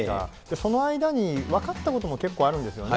その間に分かったことも結構あるんですよね。